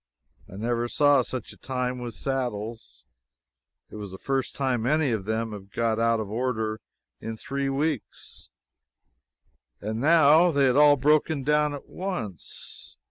I never saw such a time with saddles. It was the first time any of them had got out of order in three weeks, and now they had all broken down at once.